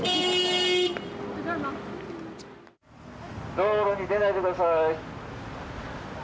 道路に出ないでください。